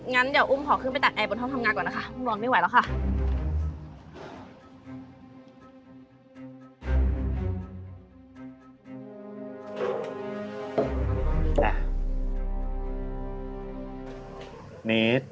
งั้นเดี๋ยวอุ้มขอขึ้นไปตัดแอร์บนห้องทำงานก่อนนะคะอุ้มนอนไม่ไหวแล้วค่ะ